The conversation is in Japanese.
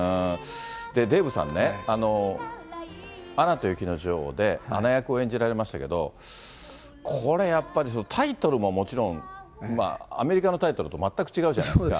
デーブさんね、アナと雪の女王で、アナ役を演じられましたけれども、これ、やっぱりその、タイトルももちろん、アメリカのタイトルと全く違うじゃないですか。